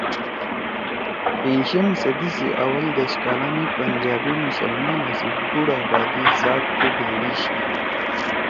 بیِشم صدی سی آول دش کالا می پنجابی مسلمانا سی بُوڑ آبادی زاگتے بھیڑی شی